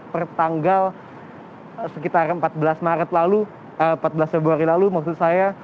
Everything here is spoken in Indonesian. pertanggal sekitar empat belas maret lalu empat belas februari lalu maksud saya